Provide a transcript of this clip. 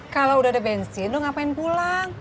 kalau udah ada bensin lo ngapain pulang